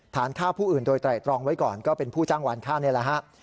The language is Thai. ฐานฆ่าผู้อื่นโดยไตรตรองไว้ก่อนก็เป็นผู้จ้างวานค่านี่แหละฮะ